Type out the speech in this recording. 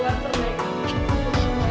aku tidak mau